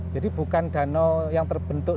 jadi bukan danau yang terbentuk